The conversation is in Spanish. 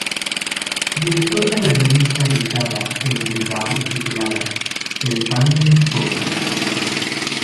Director de la revista editada en Bilbao y titulada "El Pan de los Pobres".